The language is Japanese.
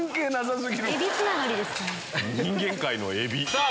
人間界のエビ！